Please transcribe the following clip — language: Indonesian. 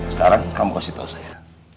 sekarang kamu kasih tahu saya